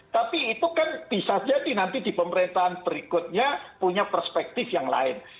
tapi itu kan bisa jadi nanti di pemerintahan berikutnya punya perspektif yang lain